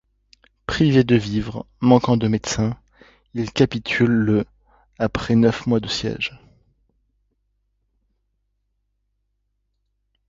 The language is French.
Privé de vivres, manquant de médecins, il capitule le après neuf mois de siège.